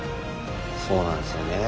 そうなんですよねえ。